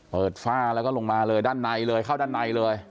ฝ้าแล้วก็ลงมาเลยด้านในเลยเข้าด้านในเลย